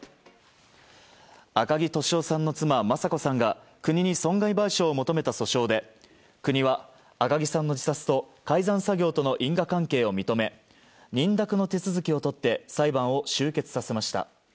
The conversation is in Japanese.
赤木俊夫さんの妻・雅子さんが国に損害賠償を求めた訴訟で国は赤木さんの自殺を改ざん作業との因果関係を認め認諾の手続きを取って裁判を終結させました。